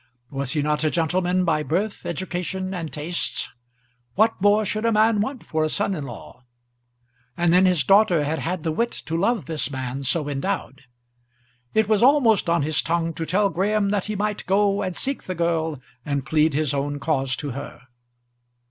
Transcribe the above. Was he not a gentleman by birth, education, and tastes? What more should a man want for a son in law? And then his daughter had had the wit to love this man so endowed. It was almost on his tongue to tell Graham that he might go and seek the girl and plead his own cause to her.